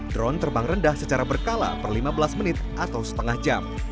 drone terbang rendah secara berkala per lima belas menit atau setengah jam